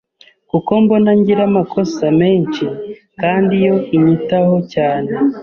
kuko mbona ngira amakosa menshi, kandi yo inyitaho cyane